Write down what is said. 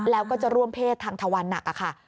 แล้วก็จะร่วมเพศทางทวันหนักค่ะ